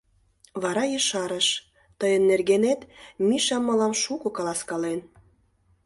Вара ешарыш: — Тыйын нергенет Миша мылам шуко каласкален.